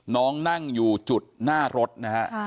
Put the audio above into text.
น้องนั่งอยู่จุดหน้ารถนะฮะ